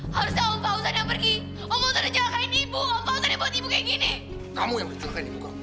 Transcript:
harusnya om fauzan yang pergi